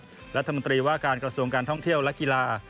รัฐมนตรีว่าการกระทรวงการท่องเที่ยวและกีฬา